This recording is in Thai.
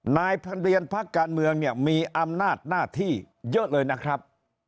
นายเรียนพักการเมืองเนี่ยมีอำนาจหน้าที่เยอะเลยนะครับ